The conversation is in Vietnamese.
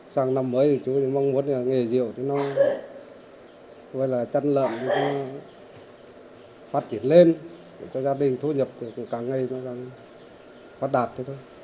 sáng năm mới chú mong muốn nghề rượu nó chân lợn phát triển lên cho gia đình thu nhập cả ngày nó phát đạt